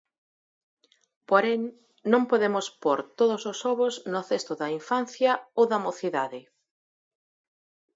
Porén, non podemos pór todos os ovos no cesto da infancia ou da mocidade.